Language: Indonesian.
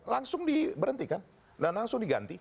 langsung diberhentikan dan langsung diganti